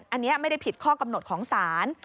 อันนี้ไม่ได้ผิดข้อกำหนดของศาล